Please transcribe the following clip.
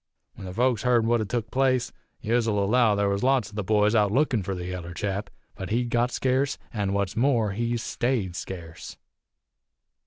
When the folks heerd what had tuk place, yez'll allow there was lots o' the boys out lookin' for the yaller chap. But he'd got scarce, an' what's more, he's stayed scarce.